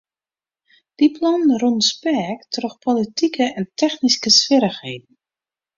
Dy plannen rûnen speak troch politike en technyske swierrichheden.